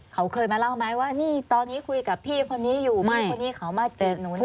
เขาเคยมาเล่าไหมว่านี่ตอนนี้คุยกับพี่คนนี้อยู่พี่คนนี้เขามาจีบหนูนี่